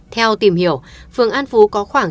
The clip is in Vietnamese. theo tìm hiểu phường an phú có khoảng